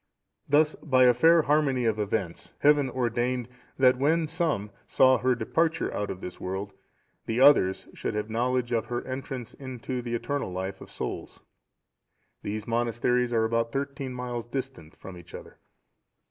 Thus by a fair harmony of events Heaven ordained, that when some saw her departure out of this world, the others should have knowledge of her entrance into the eternal life of souls. These monasteries are about thirteen miles distant from each other.